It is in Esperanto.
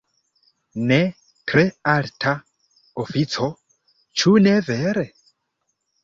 Ne tre alta ofico, ĉu ne vere?